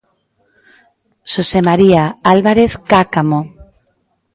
Xosé María Álvarez Cáccamo.